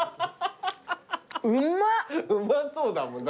うまそうだもんな。